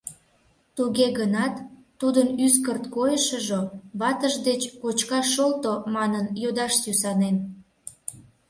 Туге гынат тудын ӱскырт койышыжо ватыж деч «кочкаш шолто» манын йодаш сӱсанен.